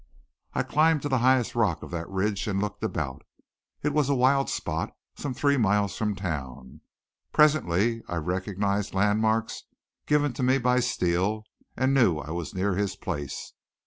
I climbed to the highest rock of that ridge and looked about. It was a wild spot, some three miles from town. Presently I recognized landmarks given to me by Steele and knew I was near his place.